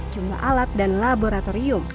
jumlah alat dan laboratorium